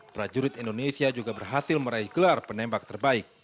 prajurit indonesia juga berhasil meraih gelar penembak terbaik